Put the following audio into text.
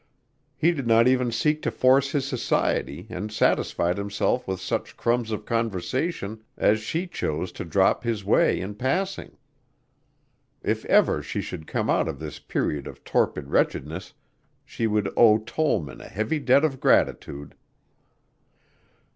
He did not even seek to force his society and satisfied himself with such crumbs of conversation as she chose to drop his way in passing. If ever she should come out of this period of torpid wretchedness, she would owe Tollman a heavy debt of gratitude.